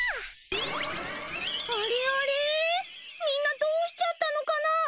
みんなどうしちゃったのかな？